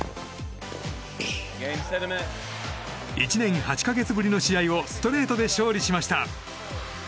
１年８か月ぶりの試合をストレートで勝利しました。